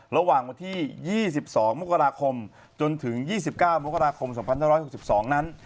ระหว่างวันที่๒๒มกราคมจนถึง๒๙มกราคม๒๕๖๒นั้น